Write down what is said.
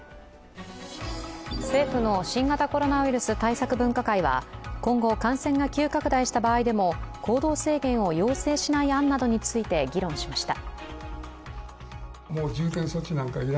政府の新型コロナウイルス対策分科会は今後、感染が急拡大した場合でも行動制限を要請しない案などについて議論しました。